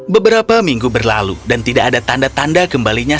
beberapa minggu berlalu dan tidak ada tanda tanda kembalinya